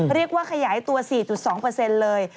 เรียกว่าขยายตัว๔๒เลย